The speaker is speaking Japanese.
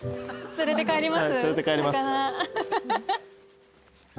連れて帰ります。